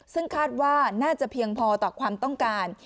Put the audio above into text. ซึ่งคาดว่าน่าจะเพียงพอต่อความต้องการ